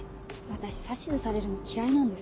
私指図されるの嫌いなんですけど。